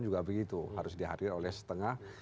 juga begitu harus dihadir oleh setengah